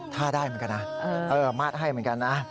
ถ้าได้เหมือนกันนะมาดให้เหมือนกันนะ